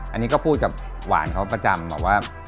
อันนี้พูดกับหวานก็ประจำ